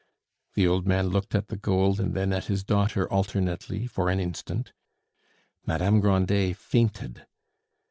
The old man looked at the gold and then at his daughter alternately for an instant. Madame Grandet fainted.